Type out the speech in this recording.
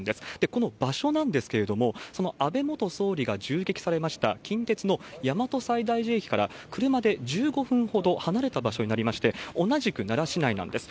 この場所なんですけれども、その安倍元総理が銃撃されました近鉄の大和西大寺駅から、車で１５分ほど離れた場所になりまして、同じく奈良市内なんです。